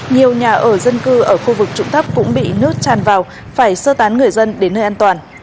nhiều nhà ở dân cư ở khu vực trụng thấp cũng bị nước tràn vào phải sơ tán người dân